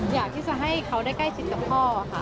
อยากที่จะให้เขาได้ใกล้ชิดกับพ่อค่ะ